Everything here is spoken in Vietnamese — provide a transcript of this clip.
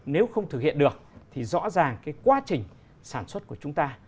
nếu không thực hiện được thì rõ ràng cái quá trình sản xuất của chúng ta